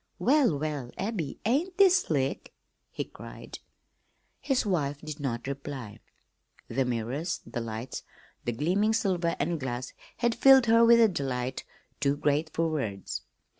"Well, well, Abby, ain't this slick?" he cried. His wife did not reply. The mirrors, the lights, the gleaming silver and glass had filled her with a delight too great for words.